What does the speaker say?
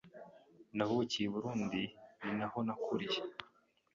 navukiye I Burundi ni naho nakuriye